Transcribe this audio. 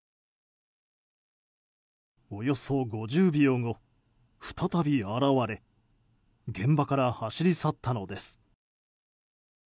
およそ５０秒後、再び現れ現場から走り去ったのです。